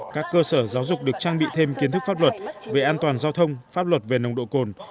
các cơ sở giáo dục được trang bị thêm kiến thức pháp luật về an toàn giao thông pháp luật về nồng độ cồn